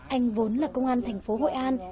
anh vốn là công an thành phố hội an